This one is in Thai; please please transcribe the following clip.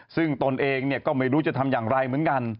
ซึ่งตนเองก็ไม่รู้จะทำอย่างไรเหมือนกัน